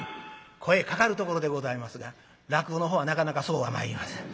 声かかるところでございますが落語のほうはなかなかそうはまいりません。